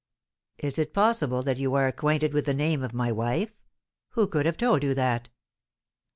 "Is it possible that you are acquainted with the name of my wife? Who could have told you that?"